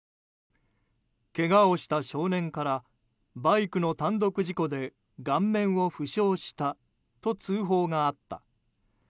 けがをした少年からバイクの単独事故で顔面を負傷したと通報があった。